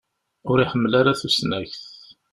Ur iḥemmel ara tusnakt.